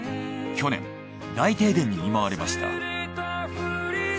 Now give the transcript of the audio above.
去年大停電に見舞われました。